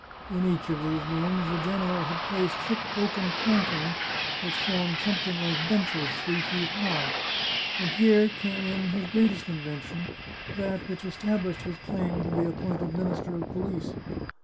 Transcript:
In each of these rooms the general had placed thick oaken planking, which formed 325 The Chartreuse of Parma something like benches, three feet high; and here came in his great invention, that which estabhshed his claim to be appointed Minister of Police.